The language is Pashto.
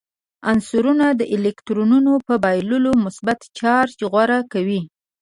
عنصرونه د الکترونونو په بایللو مثبت چارج غوره کوي.